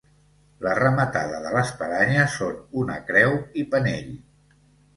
La rematada de l'espadanya són una creu i penell.